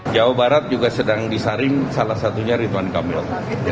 jawa barat juga sedang disaring salah satunya ridwan kamil